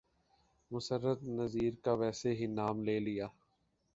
مسرت نذیر کا ویسے ہی نام لے لیا۔